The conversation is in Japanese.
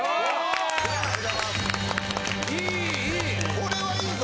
これはいいぞ！